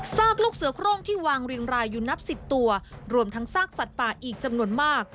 ลูกเสือโครงที่วางเรียงรายอยู่นับสิบตัวรวมทั้งซากสัตว์ป่าอีกจำนวนมาก